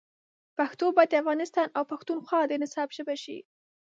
پښتو باید د افغانستان او پښتونخوا د نصاب ژبه شي.